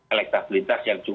elektabilitas yang cukup